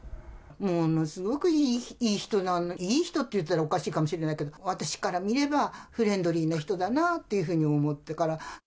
ものすごくいい人なの、いい人って言ったらおかしいかもしれないけど、私から見ればフレンドリーな人だなっていうふうに思ったから。